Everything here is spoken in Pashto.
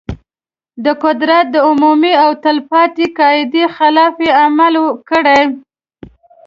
د قدرت د عمومي او تل پاتې قاعدې خلاف یې عمل کړی.